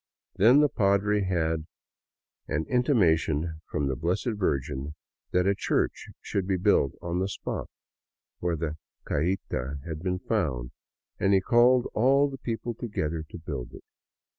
Then the padre had an intimation from the Blessed Virgin that a church should be built on the spot where the cajita had been found, and he called all the people to gether to build it.